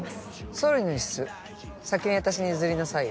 総理の椅子先に私に譲りなさいよ